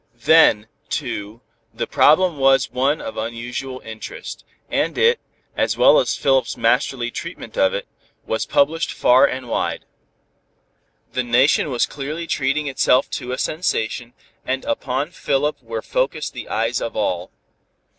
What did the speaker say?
Then, too, the problem was one of unusual interest, and it, as well as Philip's masterly treatment of it, was published far and wide. The Nation was clearly treating itself to a sensation, and upon Philip were focused the eyes of all.